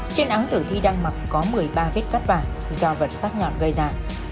trên áng tử thi đăng mập có một mươi ba vết cắt vàng do vật sắc nhọn gây ra